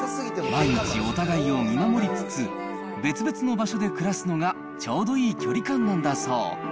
毎日お互いを見守りつつ、別々の場所で暮らすのがちょうどいい距離感なんだそう。